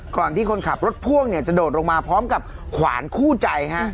ก่อนที่คนขับรถพ่วงเนี่ยจะโดดลงมาพร้อมกับขวานคู่ใจฮะ